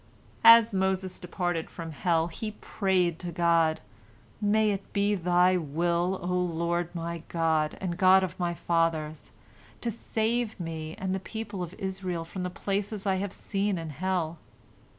As Moses departed from hell, he prayed to God, "May it be Thy will, O Lord my God and God of my fathers, to save me and the people of Israel from the places I have seen in hell."